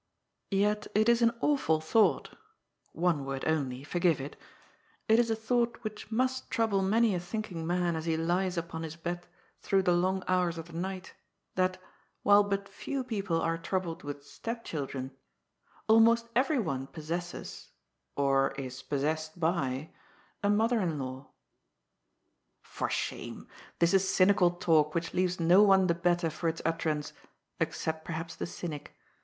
Yet it is an awful thought— one word only ; forgive it — it is a thought which must trouble many a thinking man as he lies upon his bed through the long hours of the night — that, while but few people are troubled with stepchildren, almost everyone possesses— or is possessed by — ^a mother in law. For shame ! this is cynical talk which leaves no one the better for its utterance— except, perhaps, the cynic.